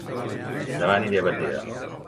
Dema aniré a Batea